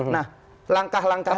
nah langkah langkah ini